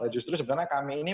justru sebenarnya kami ini